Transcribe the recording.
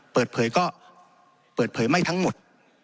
เปิดเผยก็เปิดเผยไม่ทั้งหมด